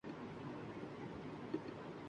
”مت پوچھو بس یوں سمجھو، غضب ہو گیا ہے۔